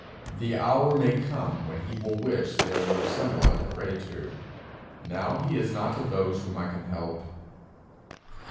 The hour may come when he will wish there were some one to pray to; now he is not of those whom I can help.